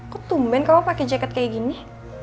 kok tumben kamu pakai jaket kayak gini